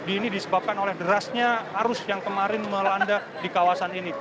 ini disebabkan oleh derasnya arus yang kemarin melanda di kawasan ini